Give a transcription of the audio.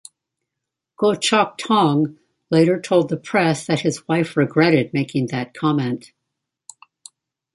Goh Chok Tong later told the press that his wife regretted making that comment.